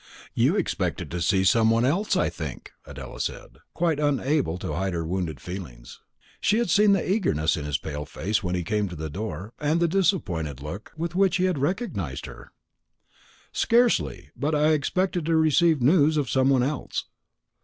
"You expected to see some one else, I think," Adela said; quite unable to hide her wounded feelings. She had seen the eagerness in his pale face when he came to the door, and the disappointed look with which he had recognised her. "Scarcely; but I expected to receive news of some one else."